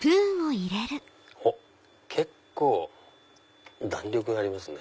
おっ結構弾力がありますね。